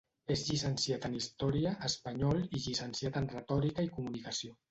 És llicenciat en història, espanyol i llicenciat en retòrica i comunicació.